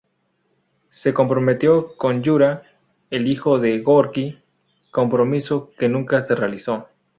Se comprometió con Yura el hijo de Gorki, compromiso que nunca se realizó.